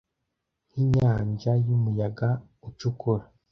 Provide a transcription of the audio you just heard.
nk inyanja y umuyaga ucukura